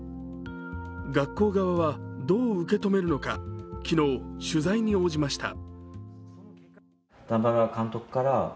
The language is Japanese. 学校側はどう受け止めるのか昨日、取材に応じました。